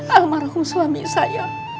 almarhum suami saya